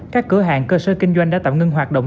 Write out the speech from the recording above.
các cửa hàng cơ sở kinh doanh đã tạm ngưng hoạt động